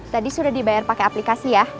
tadi sudah dibayar pakai aplikasi ya